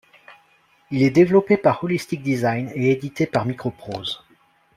Il est développé par Holistic Design et édité par MicroProse.